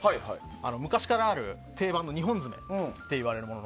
昔からある定番の２本爪といわれるもの。